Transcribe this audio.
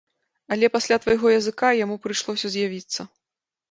Але пасля твайго языка яму прыйшлося з'явіцца.